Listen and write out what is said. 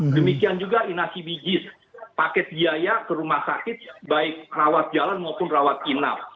demikian juga inasi bijis paket biaya ke rumah sakit baik rawat jalan maupun rawat inap